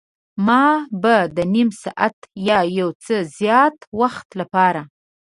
ما به د نیم ساعت یا یو څه زیات وخت لپاره.